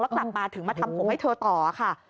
กลับมาถึงมาทำผมให้เธอต่อค่ะ